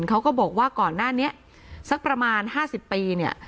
เขาก็บอกว่าก่อนหน้านี้สักประมาณ๕๐ปีเนี่ย